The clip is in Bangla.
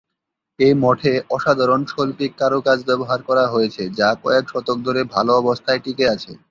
এ মঠে অসাধারণ শৈল্পিক কারুকাজ ব্যবহার করা হয়েছে যা কয়েক শতক ধরে ভালো অবস্খায় টিকে আছে।